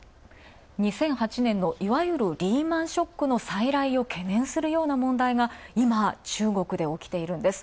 ２００８年のいわゆるリーマンショックの再来を懸念するような問題が、今、中国で起きています。